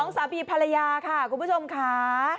สามีภรรยาค่ะคุณผู้ชมค่ะ